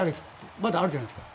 まだあるじゃないですか。